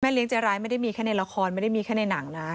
เลี้ยใจร้ายไม่ได้มีแค่ในละครไม่ได้มีแค่ในหนังนะ